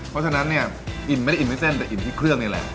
เพราะฉะนั้นเนี่ยอิ่มไม่ได้อิ่มที่เส้นแต่อิ่มที่เครื่องนี่แหละ